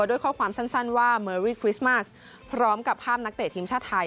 ด้วยข้อความสั้นว่าเมอรี่คริสต์มาสพร้อมกับภาพนักเตะทีมชาติไทย